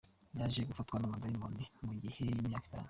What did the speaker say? Yaje gufatwa n’amadayimoni mu gihe cy’imyaka itatu.